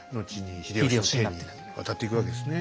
秀吉の手に渡っていくわけですね。